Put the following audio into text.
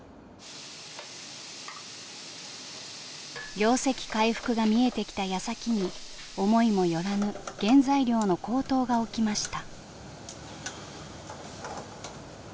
業績回復が見えてきたやさきに思いも寄らぬ原材料の高騰が起きました。